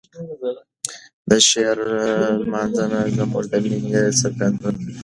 د شاعرانو لمانځنه زموږ د مینې څرګندونه ده.